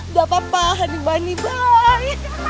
udah papa hanyubani bye